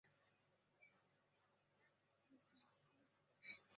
是第十二代闻得大君。